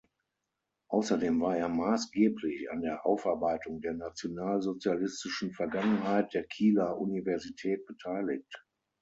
Außerdem war er maßgeblich an der Aufarbeitung der nationalsozialistischen Vergangenheit der Kieler Universität beteiligt.